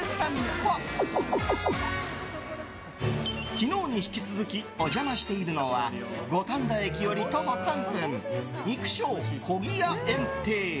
昨日に引き続きお邪魔しているのは五反田駅より徒歩３分肉匠コギヤ宴庭。